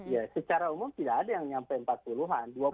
ya secara umum tidak ada yang nyampe empat puluh an